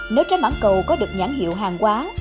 nếu trái mãng cầu có được nhãn hiệu hàng quá